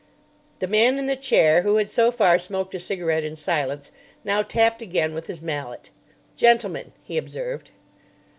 The man in the chair, who had so far smoked a cigarette in silence, now tapped again with his mallet. "Gentlemen," he observed.